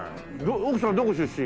奥さんどこ出身？